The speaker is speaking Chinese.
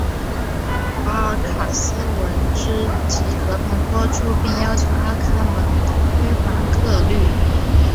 卡尔卡斯闻之即和盘托出并要求阿伽门侬归还克律塞伊斯。